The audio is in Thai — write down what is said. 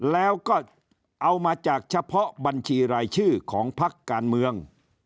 แล้วก็เอามาจากเฉพาะบัญชีรายชื่อของพักการเมือง